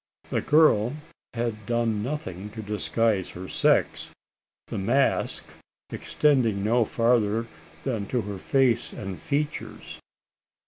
The girl had done nothing to disguise her sex the mask extending no farther than to her face and features.